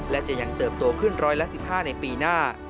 และจะยังเติบโตขึ้นร้อยละ๑๕ในปีหน้า